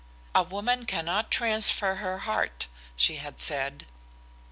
"A woman cannot transfer her heart," she had said.